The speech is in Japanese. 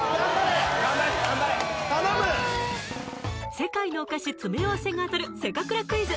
世界のお菓子詰め合わせが当たるせかくらクイズ